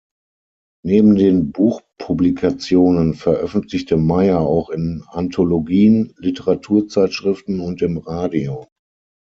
Neben den Buchpublikationen veröffentlichte Mayer auch in Anthologien, Literaturzeitschriften und im Radio.